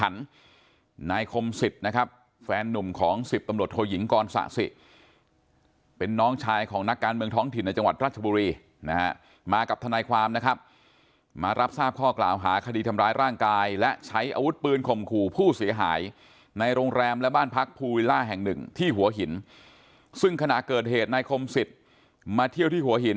นะครับแฟนนุ่มของ๑๐ตำรวจห่วยหญิงก้อนศาสตร์สิเป็นน้องชายของนักการเมืองท้องถิ่นในจังหวัดรัชบุรีนะฮะมากับธนาความนะครับมารับทราบข้อกล่าวหาคดีทำร้ายร่างกายและใช้อาวุธปืนข่มขู่ผู้เสียหายในโรงแรมและบ้านพักภูวิล่าแห่งหนึ่งที่หัวหินซึ่งขณะเกิดเหตุในคมศิษย์